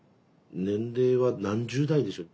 年齢は何十代でしょう。